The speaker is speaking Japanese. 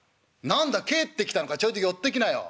「何だ帰ってきたのかちょいと寄ってきなよ。